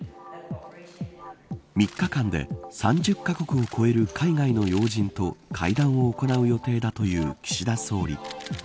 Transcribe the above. ３日間で３０カ国を超える海外の要人と会談を行う予定だという岸田総理。